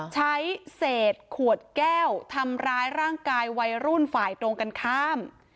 ใช้เศษขวดแก้วทำร้ายร่างกายวัยรุ่นฝ่ายตรงกันข้าม